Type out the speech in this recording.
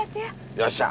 よっしゃ。